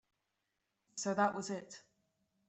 So that was it.